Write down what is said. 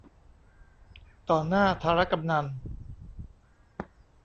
ต่อหน้าธารกำนัล